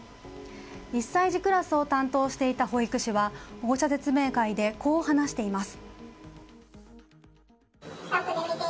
１歳児クラスを担当していた保育士は保護者説明会でこう話しています。